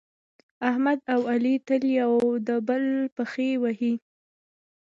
احمد او علي تل یو د بل پښې وهي.